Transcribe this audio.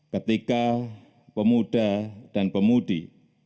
ketika pemuda dan pemudi